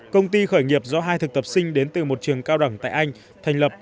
công ty khởi nghiệp do hai thực tập sinh đến từ một trường cao đẳng tại anh thành lập